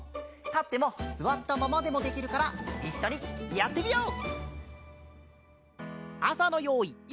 たってもすわったままでもできるからいっしょにやってみよう！